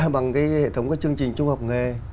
bằng cái hệ thống các chương trình trung học nghề